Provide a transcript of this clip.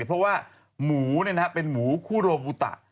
เพราะว่าหมูเป็นหมูคู่โรบูตะ